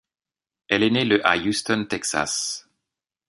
Elle est née le à Houston, Texas.